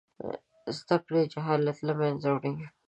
زده کړې جهالت له منځه وړي.